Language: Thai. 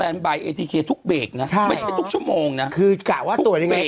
ไม่ใช่ทุกชั่วโมงน่ะคือกะว่าตรวจยังไง